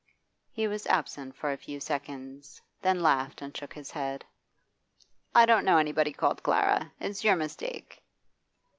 He was absent for a few seconds, then laughed and shook his head. 'I don't know anybody called Clara. It's your mistake.